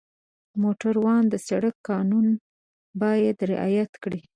موټروان د سړک قوانین باید رعایت کړي.